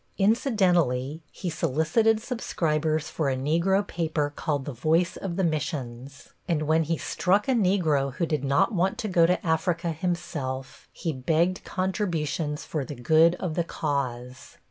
Incidentally he solicited subscribers for a Negro paper called the Voice of the Missions, and when he struck a Negro who did not want to go to Africa himself, he begged contributions for the "good of the cause."